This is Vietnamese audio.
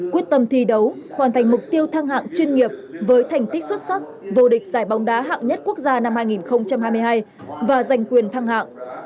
quyết tâm thi đấu hoàn thành mục tiêu thăng hạng chuyên nghiệp với thành tích xuất sắc vô địch giải bóng đá hạng nhất quốc gia năm hai nghìn hai mươi hai và giành quyền thăng hạng